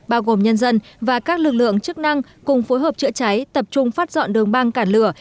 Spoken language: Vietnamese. bao gồm nhân dân và các lực lượng chức năng cùng phối hợp chữa cháy tập trung phát dọn đường băng cản lửa